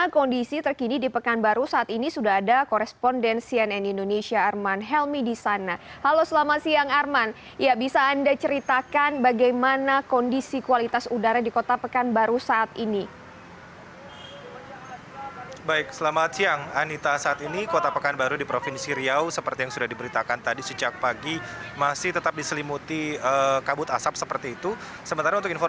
kepala bnpb memerintahkan panglima tni kepala bnpb menangani permasalahan ini